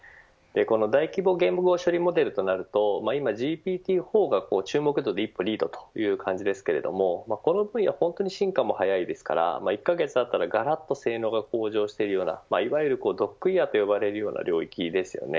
大規模言語処理モデルとなると今ＧＰＴ４が注目度で一歩リードという感じですがこの分野は本当に進化も早いですから１カ月あったらがらっと性能が向上したりいわいるドッグイヤーと呼ばれる領域。